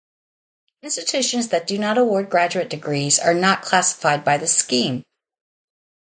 Institutions that do not award graduate degrees are not classified by this scheme.